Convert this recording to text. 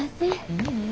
ううん。